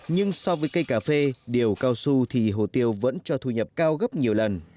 nhưng so với cây cà phê điều cao su thì hồ tiêu vẫn cho thu nhập cao gấp nhiều lần